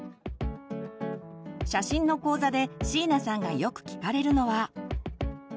写真の講座で椎名さんがよく聞かれるのは。